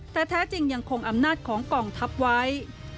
แต่แท้จริงยังคงอำนาจของกองทัพไว้